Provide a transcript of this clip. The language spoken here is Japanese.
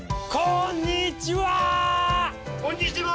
こんにちは！